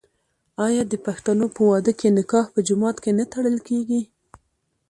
آیا د پښتنو په واده کې نکاح په جومات کې نه تړل کیږي؟